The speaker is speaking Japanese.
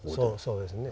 そうですね。